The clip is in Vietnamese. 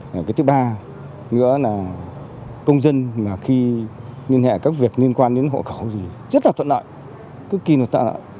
cái thứ ba công dân khi liên hệ các việc liên quan đến hộ cầu thì rất là thuận lợi cực kỳ là thuận lợi